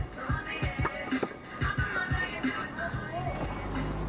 ชนรถครูครับคุณชนรถครูครับ